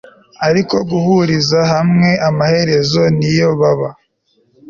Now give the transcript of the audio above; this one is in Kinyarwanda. Ariko guhuriza hamwe amaherezo niyo baba